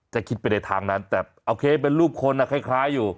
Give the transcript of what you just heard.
คิดไปในทางนั้นแต่โอเคเป็นรูปคนคล้ายอยู่